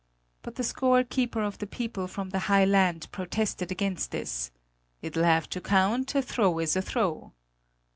But the score keeper of the people from the high land protested against this: "It'll have to count; a throw is a throw!"